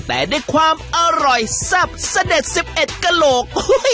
แต่ด้วยความอร่อยแซ่บเสด็จ๑๑กระโหลก